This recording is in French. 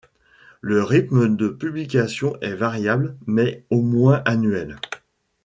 Le rythme de publication est variable mais au moins annuel.